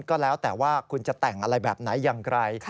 ก็แล้วแต่ว่าคุณจะแต่งอะไรแบบไหนอย่างไร